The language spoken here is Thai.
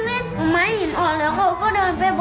เขาไม่ชอบใครเขาชอบอิงฟ้า